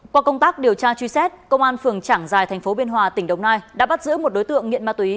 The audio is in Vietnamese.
qua công tác điều tra truy xét công an phường trảng giài thành phố biên hòa tỉnh đồng nai đã bắt giữ một đối tượng nghiện ma túy